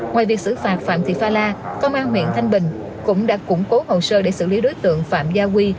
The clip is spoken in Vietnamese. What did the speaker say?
ngoài việc xử phạt phạm thị pha la công an huyện thanh bình cũng đã củng cố hồ sơ để xử lý đối tượng phạm gia quy